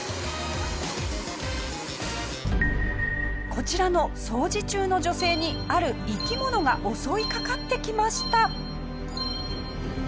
こちらの掃除中の女性にある生き物が襲いかかってきました。